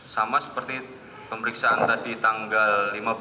sama seperti pemeriksaan tadi tanggal lima belas